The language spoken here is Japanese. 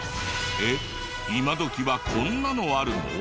えっ今どきはこんなのあるの？